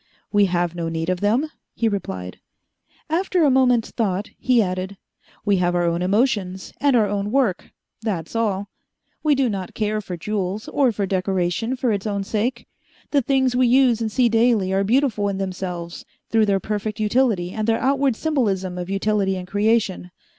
"We have no need of them," he replied. After a moment's thought, he added, "We have our own emotions, and our own work that's all. We do not care for jewels, or for decoration for its own sake. The things we use and see daily are beautiful in themselves, through their perfect utility and their outward symbolism of utility and creation.